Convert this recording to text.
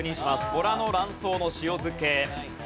ボラの卵巣の塩漬け。